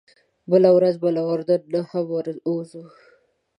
بله ورځ به له اردن نه هم ووځو.